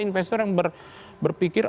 investor yang berpikir